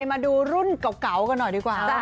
มาดูรุ่นเก่ากันหน่อยดีกว่า